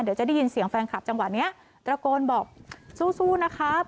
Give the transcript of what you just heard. เดี๋ยวจะได้ยินเสียงแฟนคลับจังหวะนี้ตระโกนบอกสู้นะครับ